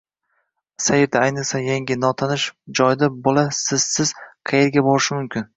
Sayrda, ayniqsa yangi, notanish joyda bola sizsiz qayerga borishi mumkin